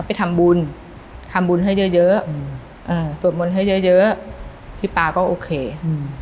ไปทำบุญทำบุญให้เยอะเยอะอืมอ่าสวดมนต์ให้เยอะเยอะพี่ป๊าก็โอเคอืม